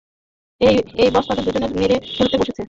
এই, বস তাদের দুজনকেই মেরে ফেলতে বলেছে।